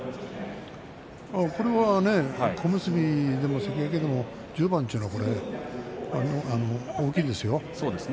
これは小結でも関脇でも１０番というのは大きいですよ。